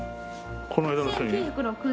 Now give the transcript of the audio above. この間の？